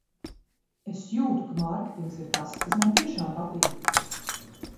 Es jūtu, ka mārketings ir tas, kas man tiešām patīk.